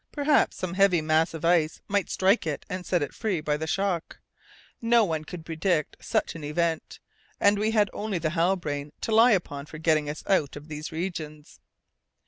Perhaps some heavy mass of ice might strike it and set it free by the shock. No one could predict such an event, and we had only the Halbrane to rely upon for getting us out of these regions.